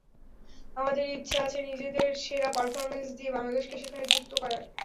আমাদের ইচ্ছা আছে নিজেদের সেরা পারফরম্যান্স দিয়ে বাংলাদেশকে সেখানে যুক্ত করার।